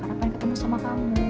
harapan ketemu sama kamu